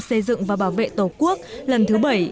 xây dựng và bảo vệ tổ quốc lần thứ bảy